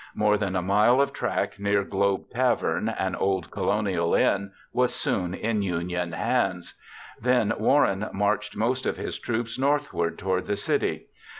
More than a mile of track near Globe Tavern, an old colonial inn, was soon in Union hands. Then Warren marched most of his troops northward toward the city.